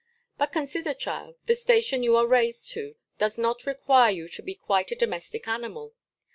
But consider, child, the station you are raised to does not require you to be quite a domestic animal.